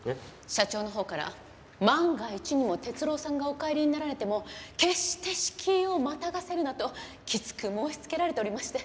社長のほうから万が一にも哲郎さんがお帰りになられても決して敷居をまたがせるなときつく申しつけられておりまして。